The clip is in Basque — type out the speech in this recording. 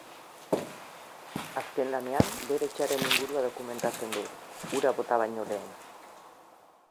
Azken lanean, bere etxearen ingurua dokumentatzen du, hura bota baino lehen.